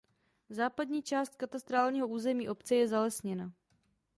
Západní část katastrálního území obce je zalesněna.